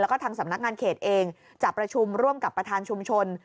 แล้วก็ทางสำนักงานเขตเองจะประชุมร่วมกับประธานชุมชน